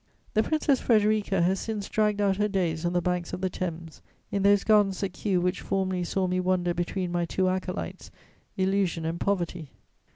] The Princess Frederica has since dragged out her days on the banks of the Thames, in those gardens at Kew which formerly saw me wander between my two acolytes, illusion and poverty.